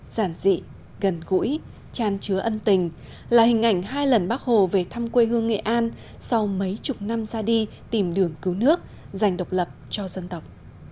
giản dị gần gũi tràn chứa ân tình là hình ảnh hai lần bác hồ về thăm quê hương nghệ an sau mấy chục năm ra đi tìm đường cứu nước dành độc lập cho dân tộc